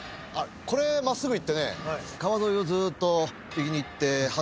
これ真っすぐ行ってね川沿いをずっと右に行って橋を。